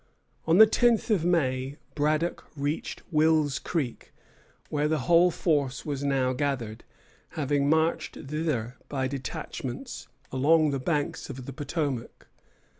On the tenth of May Braddock reached Wills Creek, where the whole force was now gathered, having marched thither by detachments along the banks of the Potomac.